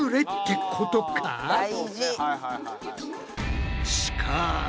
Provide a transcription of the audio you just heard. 大事！